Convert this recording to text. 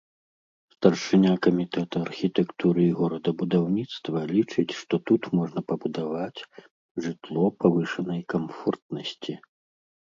Старшыня камітэта архітэктуры і горадабудаўніцтва лічыць што тут можна пабудаваць жытло павышанай камфортнасці.